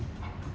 kalau di mau